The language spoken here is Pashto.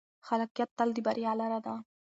خلاقیت تل د بریا لاره ده.